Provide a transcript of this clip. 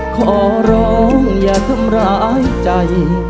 ขอร้องอย่าทำร้ายใจ